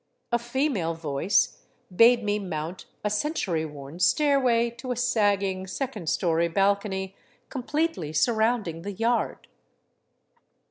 A female voice bade me mount a cen tury worn stairway to a sagging second story balcony completely sur rounding the yard.